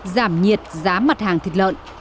giảm nhiệt giá mặt hàng thịt lợn